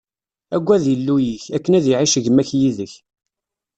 Aggad Illu-ik, akken ad iɛic gma-k yid-k.